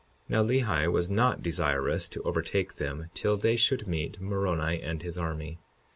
52:30 Now Lehi was not desirous to overtake them till they should meet Moroni and his army.